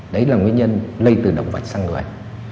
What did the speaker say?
đấy là nguyên nhân lây từ động vật sang người